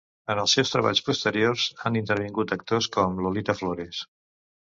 En els seus treballs posteriors, han intervingut actors com Lolita Flores.